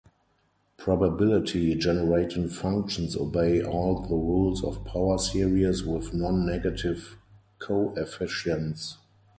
Probability generating functions obey all the rules of power series with non-negative coefficients.